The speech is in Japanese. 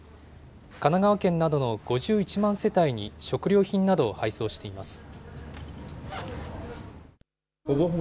神奈川県などの５１万世帯に食料品などを配送しています。